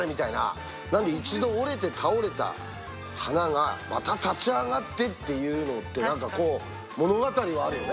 一度折れて倒れた花がまた立ち上がってっていうのって何かこう物語があるよね。